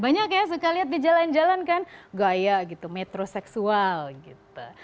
banyak ya suka lihat di jalan jalan kan gaya gitu metroseksual gitu